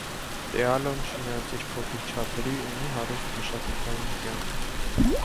Տելաոն, չնայած իր փոքր չափերի, ունի հարուստ մշակութային կյանք։